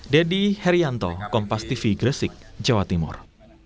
dedy herianto kompas tv gresik jawa timur